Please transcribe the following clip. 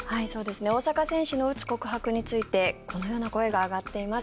大坂選手のうつ告白についてこのような声が上がっています。